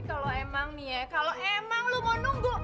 kalau emang nih ya kalau emang lo mau nunggu